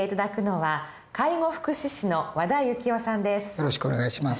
よろしくお願いします。